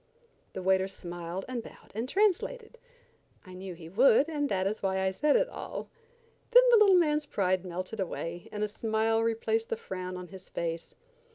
The waiter smiled and bowed and translated. I knew he would, and that is why I said it all. Then the little man's pride melted away, and a smile replaced the frown on his face.